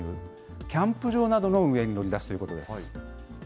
キャンプ場などの運営に乗り出すということです。